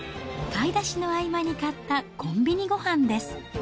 買い出しの合間に買ったコンビニごはんです。